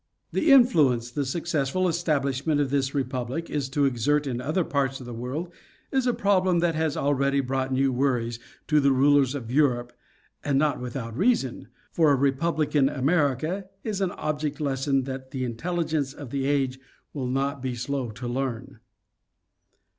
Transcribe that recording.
The influence the successful establishment of this republic is to exert in other parts of the world is a problem that has already brought new worries to the rulers of Europe, and not without a reason, for a republican America is an object lesson that the intel ligence of the age will not be slow to learn.